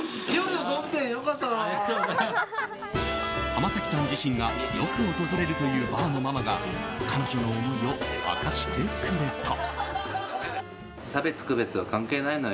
浜崎さん自身がよく訪れるというバーのママが彼女の思いを明かしてくれた。